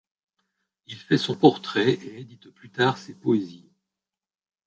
Il fait son portrait et édite plus tard ses poésies.